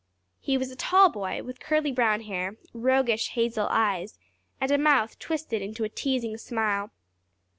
He was a tall boy, with curly brown hair, roguish hazel eyes, and a mouth twisted into a teasing smile.